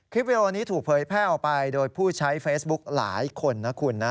วิดีโอนี้ถูกเผยแพร่ออกไปโดยผู้ใช้เฟซบุ๊กหลายคนนะคุณนะ